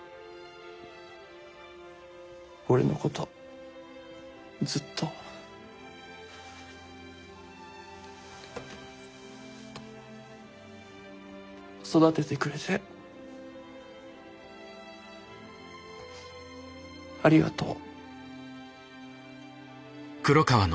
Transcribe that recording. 俺のことずっと育ててくれてありがとう。